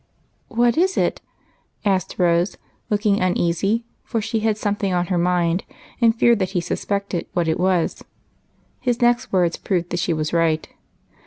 " What is it ?" asked Rose, looking uneasy, for she had something on her mind, and feared that he sus pected what it was. His next words proved that she was right.